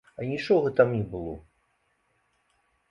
А нічога там не было!